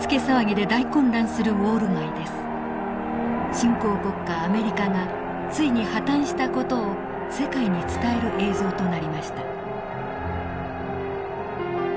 新興国家アメリカがついに破綻した事を世界に伝える映像となりました。